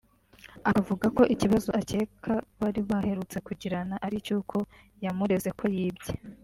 Akavuga ko ikibazo akeka bari baherutse kugirana ari icy’uko yamureze ko yibye